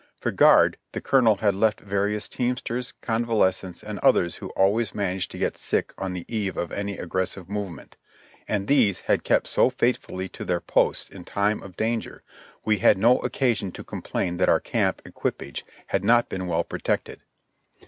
For guard, the colonel had left various teamsters, convalescents, and others who always managed to get sick on the eve of any aggressive move ment; and these had kept so faithfully to their posts in time of danger, we had no occasion to complain that our camp equipage had not been well protected.